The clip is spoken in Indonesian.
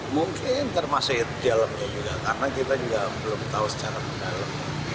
mungkin termasuk dialognya juga karena kita juga belum tahu secara mendalam